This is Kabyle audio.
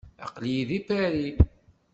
Aql-iyi deg Paris.